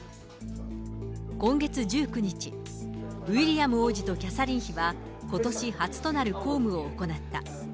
今月１９日、ウィリアム王子とキャサリン妃は、ことし初となる公務を行った。